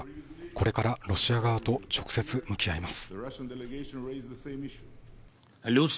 これからロシア側と直接向き合います